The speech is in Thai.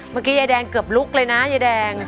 เมื่อกี้ยายแดงเกือบลุกเลยนะยายแดง